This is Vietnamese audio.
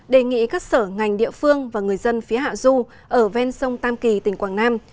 đề nghị các sở ngành địa phương và người dân phía hạ du ở ven sông tam kỳ tỉnh quảng nam